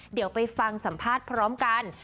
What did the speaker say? เดี๋ยวไปฟังสัมภาษณ์พร้อมกัน